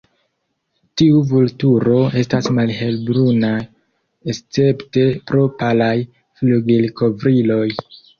Tiu vulturo estas malhelbruna escepte pro palaj flugilkovriloj.